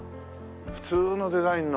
普通のデザインの。